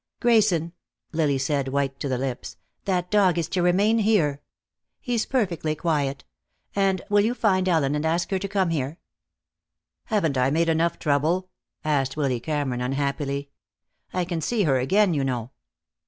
"Grayson," Lily said, white to the lips, "that dog is to remain here. He's perfectly quiet. And, will you find Ellen and ask her to come here?" "Haven't I made enough trouble?" asked Willy Cameron, unhappily. "I can see her again, you know."